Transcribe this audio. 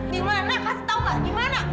di mana kasih tahu kak di mana